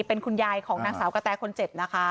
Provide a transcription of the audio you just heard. เป็นคุณยายของนางสาวกะแตคนเจ็บนะคะ